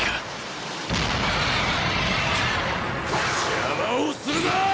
邪魔をするな！